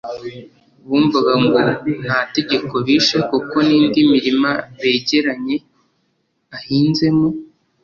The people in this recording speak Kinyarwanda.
Bumva ngo nta tegeko bishe kuko n’indi mirima begeranye ahinzemo